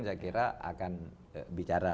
saya kira akan bicara